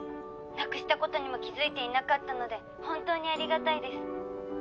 なくしたことにも気付いていなかったので本当にありがたいです。